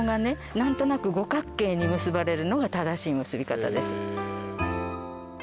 なんとなく五角形に結ばれるのが正しい結び方ですへえ